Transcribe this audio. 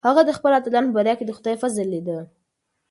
هغه د خپلو اتلانو په بریا کې د خدای فضل لیده.